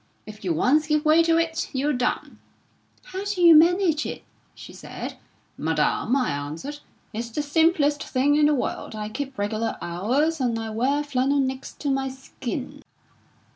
If you once give way to it, you're done.' 'How do you manage it?' she said. 'Madam,' I answered, 'it's the simplest thing in the world. I keep regular hours, and I wear flannel next to my skin.'"